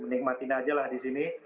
nikmatin aja lah di sini